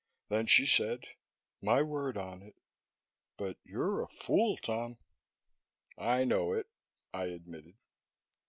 Then she said, "My word on it. But you're a fool, Tom!" "I know it!" I admitted.